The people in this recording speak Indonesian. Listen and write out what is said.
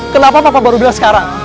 kenapa bapak baru bilang sekarang